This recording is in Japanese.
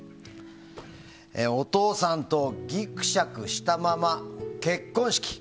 お父さんとギクシャクしたまま結婚式。